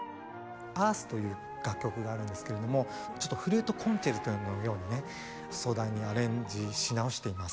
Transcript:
「Ｅａｒｔｈ」という楽曲があるんですけれどもちょっとフルートコンチェルトのようにね壮大にアレンジし直しています。